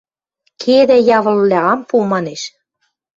Кедӓ, явылвлӓ, ам пу! – манеш.